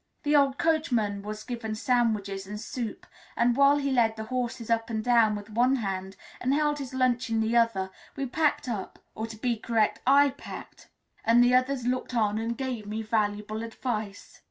The old coachman was given sandwiches and soup, and while he led the horses up and down with one hand and held his lunch in the other, we packed up or, to be correct, I packed, and the others looked on and gave me valuable advice.